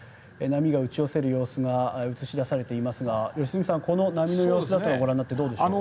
波が打ち寄せる様子が映し出されていますが良純さん、この波の様子などをご覧になっていかがでしょう。